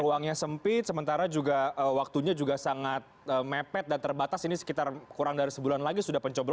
ruangnya sempit sementara juga waktunya juga sangat mepet dan terbatas ini sekitar kurang dari sebulan lagi sudah mencoba